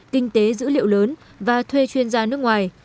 kinh tế dữ liệu lớn và thuê chuyên gia nước ngoài